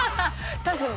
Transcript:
確かに。